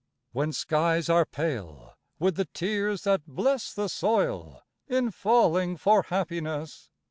When skies are pale with the tears that bless The soil, in falling for happiness?